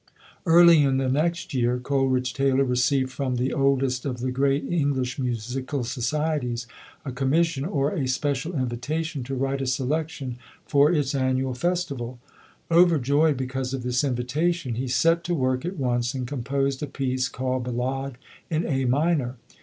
Early in the next year, Coleridge Taylor re ceived from the oldest of the great English musi cal societies a commission, or a special invitation, 140 ] UNSUNG HEROES to write a selection for its Annual Festival. Overjoyed because of this invitation, he set to work at once and composed a piece called "Bal lade in A Minor".